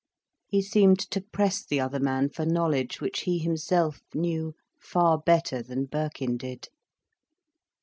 He seemed to press the other man for knowledge which he himself knew far better than Birkin did.